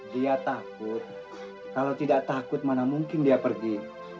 dia takut kalau tidak takut mana mungkin dia pergi